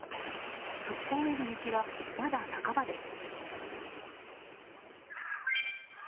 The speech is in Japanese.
復興への道は、まだ半ばです。